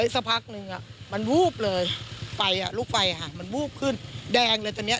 สักพักนึงมันวูบเลยไฟอ่ะลูกไฟมันวูบขึ้นแดงเลยตอนนี้